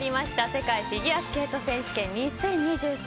世界フィギュアスケート選手権２０２３。